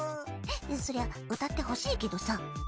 そりゃ歌ってほしいけどさ。